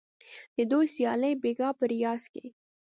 د دوی سیالي بیګا په ریاض کې